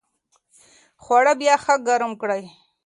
خواړه بیا ښه ګرم کړئ.